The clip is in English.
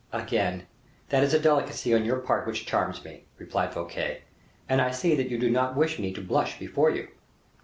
"Again, that is a delicacy on your part which charms me," replied Fouquet, "and I see you do not wish me to blush before you."